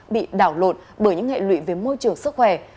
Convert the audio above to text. bị đảo lộn bởi những hệ lụy về môi trường sức khỏe